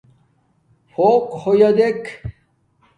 پھوق ہویا دیکھ